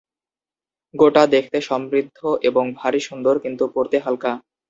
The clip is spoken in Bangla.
গোটা দেখতে সমৃদ্ধ এবং ভারি সুন্দর কিন্তু পরতে হালকা।